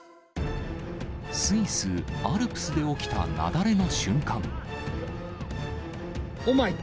スイス・アルプスで起きた雪崩の瞬間。